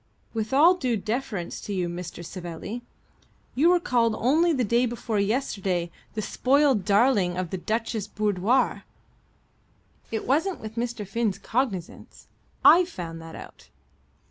"With all due deference to you, Mr. Savelli, you were called only the day before yesterday 'the spoiled darling of Duchesses' boudoirs.'" "It wasn't with Mr. Finn's cognizance. I've found that out."